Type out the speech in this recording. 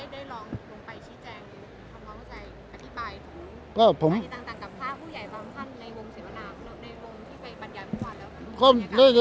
เมื่อเนี้ยได้ลองไปได้ลองไปชี้แจงผมคำเค้าใจ